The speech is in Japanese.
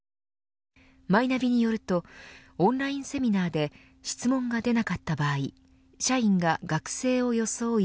マイナビによるとオンラインセミナーで質問が出なかった場合社員が学生を装い